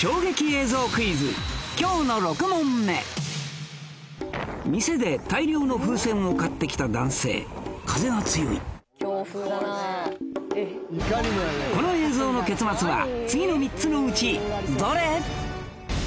今日の６問目店で大量の風船を買ってきた男性風が強いこの映像の結末は次の３つのうちどれ？